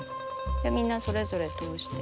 みんなそれぞれ通して。